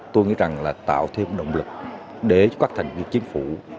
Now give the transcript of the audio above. tôi nghĩ rằng là tạo thêm động lực để cho các thành viên chính phủ